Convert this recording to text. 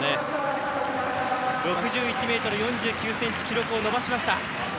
６１ｍ４９ｃｍ記録を伸ばしました。